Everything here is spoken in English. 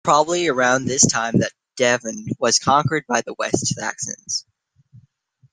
It was probably around this time that Devon was conquered by the West Saxons.